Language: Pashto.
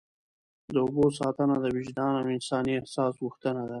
د اوبو ساتنه د وجدان او انساني احساس غوښتنه ده.